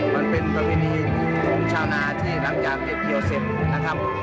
มันเป็นประเพณีของชาวนาที่หลังจากเก็บเกี่ยวเสร็จนะครับ